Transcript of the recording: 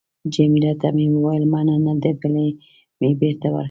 جميله ته مې وویل: مننه. دبلی مې بېرته ورکړ.